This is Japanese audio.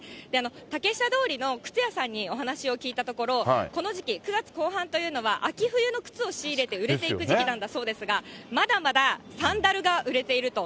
竹下通りの靴屋さんにお話を聞いたところ、この時期、９月後半というのは秋冬の靴を仕入れて売れていく時期なんだそうですが、まだまだサンダルが売れていると。